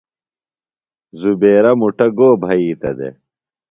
زبیرہ مُٹہ گو بھئِتہ دےۡ؟